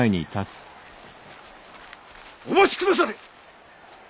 お待ちくだされ！